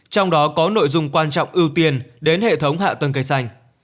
trong đó có nội dung quan trọng ưu tiên đến hệ thống hạ tầng cây xanh